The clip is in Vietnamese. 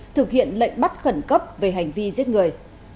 thực hiện lệnh bắt khẩn cấp về hành vi giết người